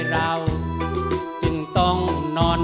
ที่จะต้องสักที